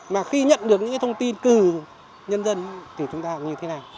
mà khi nhận được những thông tin từ nhân dân thì chúng ta làm như thế nào